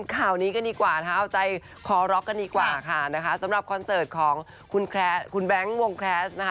ข่าวนี้กันดีกว่านะคะเอาใจคอร็อกกันดีกว่าค่ะนะคะสำหรับคอนเสิร์ตของคุณแบงค์วงแคลสนะคะ